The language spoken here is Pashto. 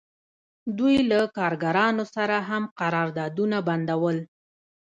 دوی له کارګرانو سره هم قراردادونه بندول